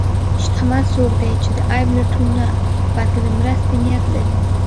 شتمن څوک دی چې د عیب لټون نه، بلکې د مرستې نیت لري.